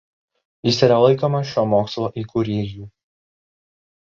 Jis yra laikomas šio mokslo įkūrėju.